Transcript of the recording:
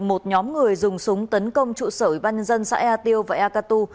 một nhóm người dùng súng tấn công trụ sởi bãi nhân dân xã ea tiêu và ea cà tu